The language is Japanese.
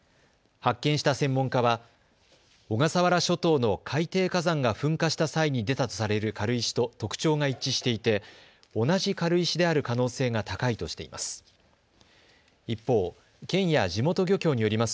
発見した専門家は小笠原諸島の海底火山が噴火した際に出たとされる軽石と特徴が一致していて同じ軽石である可能性が高いとしています。